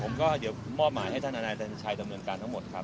อ๋อก็มีผมก็เดี๋ยวมอบหมายให้ท่านอาณาจันทรัยดำเนินการทั้งหมดครับ